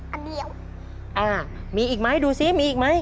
อันเดียวอ่ามีอีกไหมดูซิมีอีกไหม